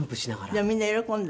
でもみんな喜んだ？